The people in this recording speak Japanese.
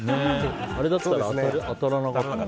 あれだったら当たらなかった。